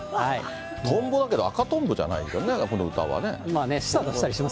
とんぼだけど、赤とんぼじゃないよね、この歌はね。